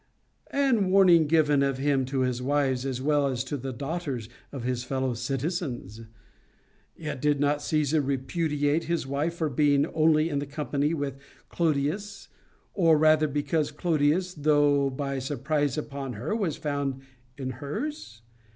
and warning given of him to the wives, as well as to the daughter of his fellow citizens? Yet did not Caesar repudiate his wife for being only in company with Clodius, or rather because Clodius, though by surprise upon her, was found in hers?